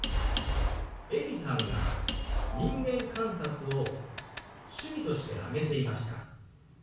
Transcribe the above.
エリさんが「人間観察」を趣味として挙げていました。